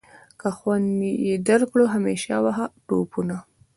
که خوند یې درکړ همیشه وهه ټوپونه.